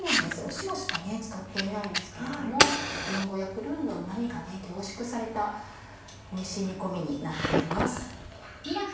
塩しか使っていないんですけれどもりんごやプルーンのうま味が凝縮されたおいしい煮込みになっています。